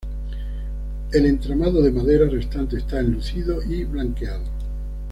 El entramado de madera restante está enlucido y blanqueado.